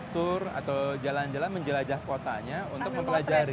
tour atau jalan jalan menjelajah kotanya untuk mempelajari